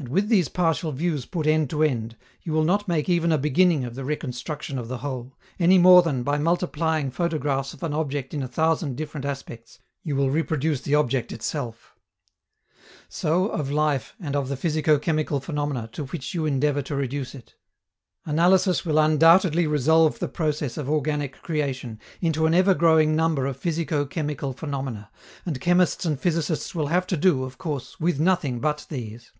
And, with these partial views put end to end, you will not make even a beginning of the reconstruction of the whole, any more than, by multiplying photographs of an object in a thousand different aspects, you will reproduce the object itself. So of life and of the physico chemical phenomena to which you endeavor to reduce it. Analysis will undoubtedly resolve the process of organic creation into an ever growing number of physico chemical phenomena, and chemists and physicists will have to do, of course, with nothing but these.